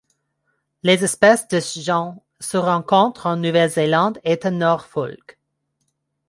Les espèces de ce genre se rencontrent en Nouvelle-Zélande et à Norfolk.